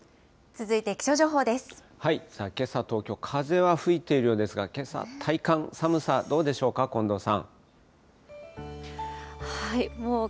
けさ、東京、風は吹いているようですが、けさ、体感、寒さどうでしょうか、近藤さん。